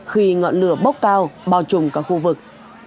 khi ngọn lửa bốc cao bao trùm cả khu vực